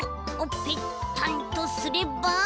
ペッタンとすれば。